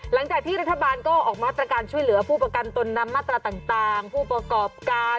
หลังจากที่รัฐบาลก็ออกมาตรการช่วยเหลือผู้ประกันตนนำมาตราต่างผู้ประกอบการ